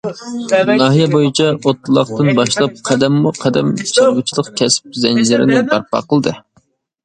ناھىيە بويىچە ئوتلاقتىن باشلاپ قەدەممۇ قەدەم چارۋىچىلىق كەسىپ زەنجىرىنى بەرپا قىلدى.